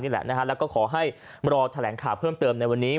นี่แหละนะฮะแล้วก็ขอให้รอแถลงข่าวเพิ่มเติมในวันนี้